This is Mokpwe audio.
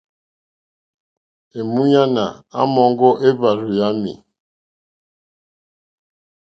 Èmúɲánà àmɔ̀ŋɡɔ́ éhwàrzù yámì.